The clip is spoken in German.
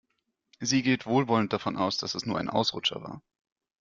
Sie geht wohlwollend davon aus, dass es nur ein Ausrutscher war.